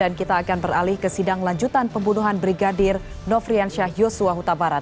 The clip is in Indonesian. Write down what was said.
dan kita akan beralih ke sidang lanjutan pembunuhan brigadir nofriansyah yosua huta barat